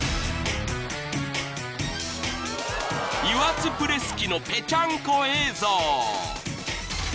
［油圧プレス機のぺちゃんこ映像］